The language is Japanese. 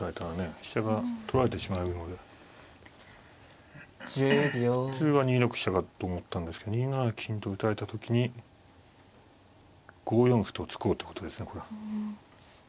飛車が取られてしまうので普通は２六飛車だと思ったんですけど２七金と打たれた時に５四歩と突こうってことですねこれは。